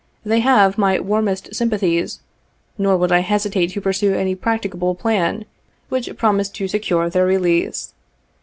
They have my warmest sympathies, nor would I hesitate to pursue any practicable plan which promised to secure their release.